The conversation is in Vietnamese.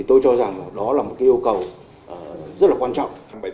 tôi cho rằng đó là một yêu cầu rất quan trọng